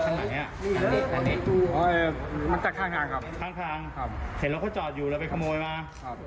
ข้างครับเห็นเราก็จอดอยู่เราไปขโมยมา